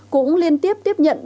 cũng liên tiếp tiếp nhận bệnh nhân